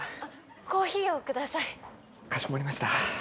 「コーヒーをください」「かしこまりました」